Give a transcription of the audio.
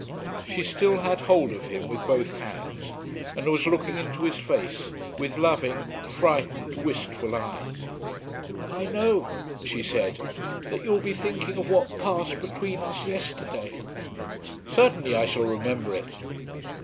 She still had hold of him with both hands and was looking into his face with loving, frightened, wistful eyes. "I know," she said, "that you will be thinking of what passed between us yesterday." "Certainly I shall remember it."